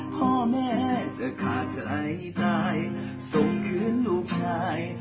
พ่อแม่จะขาดใจตายส่งคืนลูกชาย